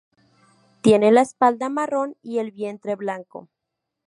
Tiene la espalda marrón y el vientre blanco.